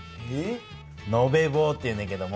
「のべぼう」っていうねんけども。